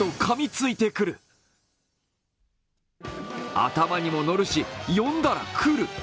頭にも乗るし、呼んだら来る。